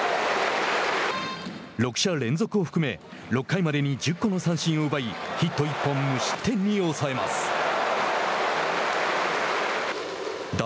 ６者連続を含め６回までに１０個の三振を奪いヒット１本、無失点に抑えました。